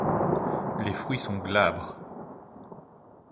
Les fruits sont glabres.